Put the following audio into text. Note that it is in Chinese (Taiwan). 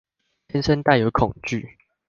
天生帶有恐懼